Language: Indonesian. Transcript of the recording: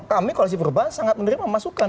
kami koalisi perubahan sangat menerima masukan